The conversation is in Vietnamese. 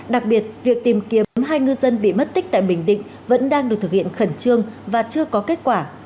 đặc biệt việc tìm kiếm hai ngư dân bị mất tích tại bình định vẫn đang được thực hiện khẩn trương và chưa có kết quả